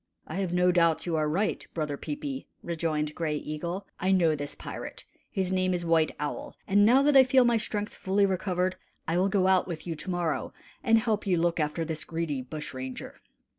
"I have no doubt you are right, Brother Peepi," rejoined Gray Eagle. "I know this pirate his name is White Owl; and now that I feel my strength fully recovered, I will go out with you to morrow and help you look after this greedy bush ranger."